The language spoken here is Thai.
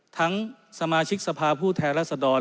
สมาชิกสภาพผู้แทนรัศดร